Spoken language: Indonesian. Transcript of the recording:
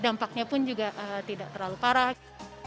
dampaknya pun juga tidak terlalu parah